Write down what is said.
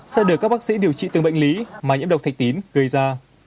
sẽ được các bác sĩ điều trị từ bệnh lý mà nhiễm độc thạch tín gây ra